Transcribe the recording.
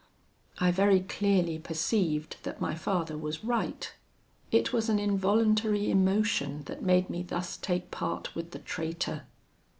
"I very clearly perceived that my father was right. It was an involuntary emotion that made me thus take part with the traitor.